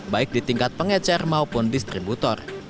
baik di tingkat pengecer maupun distributor